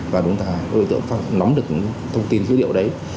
và chúng ta có đối tượng nắm được thông tin dữ liệu đấy